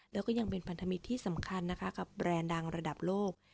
แล้วก็ยังเป็นพันธมิตรที่สำคัญนะคะกับแบรนด์ดังระดับโลก